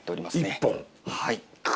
１本？